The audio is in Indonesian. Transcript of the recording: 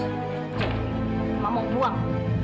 jangan mama mau buang